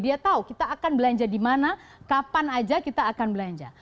dia tahu kita akan belanja di mana kapan aja kita akan belanja